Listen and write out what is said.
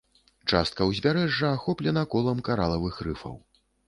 Частка ўзбярэжжа ахоплена колам каралавых рыфаў.